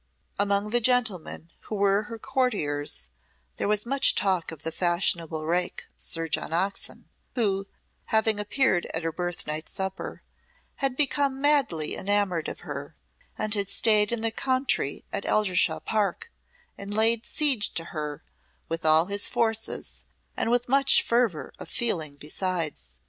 Among the gentlemen who were her courtiers there was much talk of the fashionable rake Sir John Oxon, who, having appeared at her birthnight supper, had become madly enamoured of her, and had stayed in the country at Eldershawe Park and laid siege to her with all his forces and with much fervour of feeling besides.